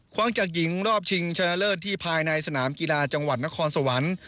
จากหญิงรอบชิงชนะเลิศที่ภายในสนามกีฬาจังหวัดนครสวรรค์